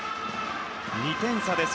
２点差です。